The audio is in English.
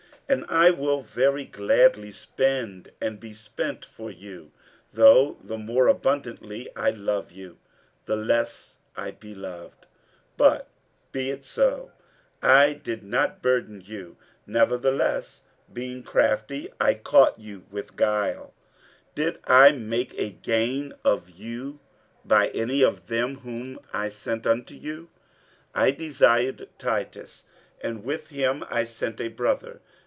47:012:015 And I will very gladly spend and be spent for you; though the more abundantly I love you, the less I be loved. 47:012:016 But be it so, I did not burden you: nevertheless, being crafty, I caught you with guile. 47:012:017 Did I make a gain of you by any of them whom I sent unto you? 47:012:018 I desired Titus, and with him I sent a brother.